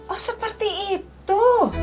oh seperti itu